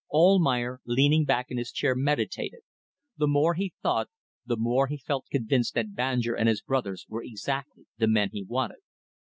Almayer, leaning back in his chair, meditated. The more he thought, the more he felt convinced that Banjer and his brothers were exactly the men he wanted.